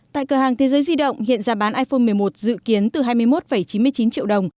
tại cửa hàng thế giới di động hiện giá bán iphone một mươi một dự kiến từ hai mươi một chín mươi chín triệu đồng